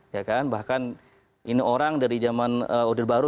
ya kan bahkan ini orang dari zaman order baru